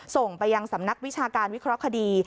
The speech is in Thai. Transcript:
ส่งไปยังสำนักวิชาการวิเคราะห์คดี